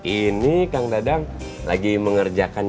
una duanya udah beradakah bersama toi